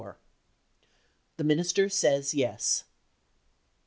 THE MINISTER SAYS YES.